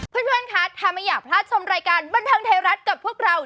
เพื่อนคะถ้าไม่อยากพลาดชมรายการบันเทิงไทยรัฐกับพวกเรา